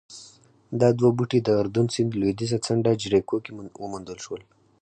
دا دوه بوټي د اردن سیند لوېدیځه څنډه جریکو کې وموندل شول